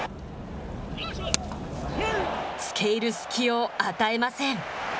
つけいる隙を与えません。